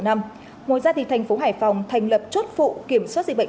ngồi ra thì thành phố hải phòng thành lập chốt phụ kiểm soát dịch bệnh